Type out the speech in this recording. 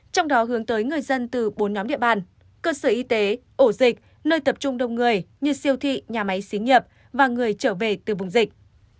trong đó hướng tới người dân từ bốn nhóm địa bàn cơ sở y tế ổ dịch nơi tập trung đông người như siêu thị nhà máy xí nghiệp và người trở về từ vùng dịch